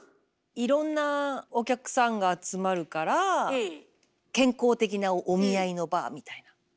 いろんなお客さんが集まるから健康的なお見合いの場みたいな。